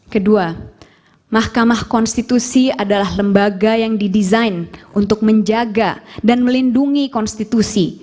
kedua mahkamah konstitusi adalah lembaga yang didesain untuk menjaga dan melindungi konstitusi